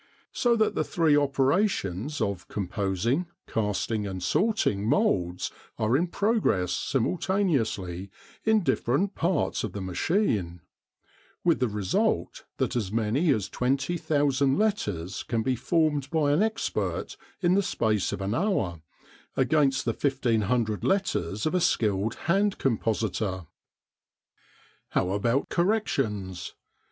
So that the three operations of composing, casting, and sorting moulds are in progress simultaneously in different parts of the machine; with the result that as many as 20,000 letters can be formed by an expert in the space of an hour, against the 1500 letters of a skilled hand compositor. How about corrections?